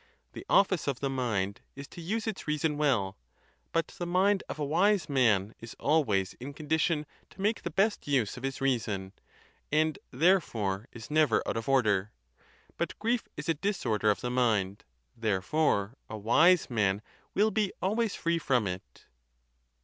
The office of the mind is to use its reason well; but the mind of a wise man is always in condition to make the best use of his reason, and there fore is never out of order. But grief is a disorder of the mind; therefore a wise man will be always free from it.